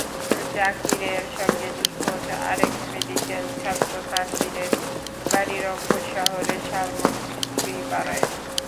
জাকিরের সঙ্গে নিখোঁজ আরেক মেডিকেল ছাত্র তানভিরের বাড়ি রংপুর শহরের শালবন মিস্ত্রিপাড়ায়।